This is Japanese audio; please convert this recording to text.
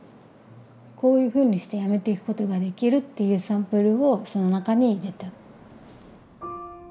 こういうふうにしてやめていくことができるっていうサンプルをその中に入れた。